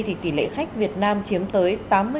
thì tỷ lệ khách việt nam chiếm tới tám mươi